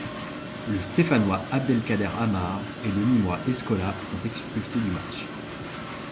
Le Stéphanois Abdelkader Amar et le nîmois Escola sont expulsés du match.